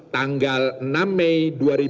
tanggal enam mei dua ribu sembilan belas